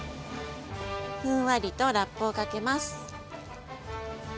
ふんわりとラップをかけます。